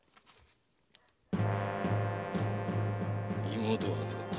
・「妹は預かった。